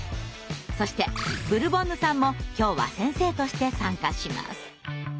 そしてブルボンヌさんも今日は先生として参加します。